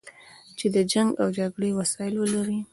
چې د جنګ او جګړې وسایل ولري.